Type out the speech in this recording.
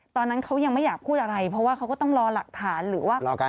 ตอนนั้นเขายังไม่อยากพูดอะไรเพราะว่าเขาก็ต้องรอหลักฐานหรือว่า